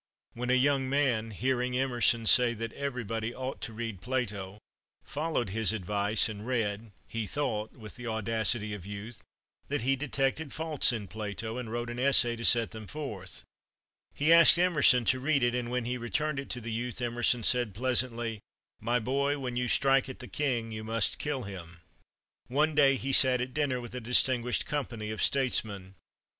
When a young man, hearing Emerson say that everybody ought to read Plato, followed his advice, and read, he thought, with the audacity of youth, that he detected faults in Plato, and wrote an essay to set them forth. He asked Emerson to read it, and when he returned it to the youth, Emerson said, pleasantly, "My boy, when you strike at the king, you must kill him." One day he sat at dinner with a distinguished company of statesmen.